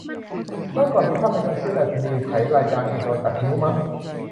เมื่อก่อนมีภาพยนต์ชื่อดรรชนีไฉไล นางเอกโดนตัดนิ้วมั้ง